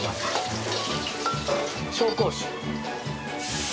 紹興酒。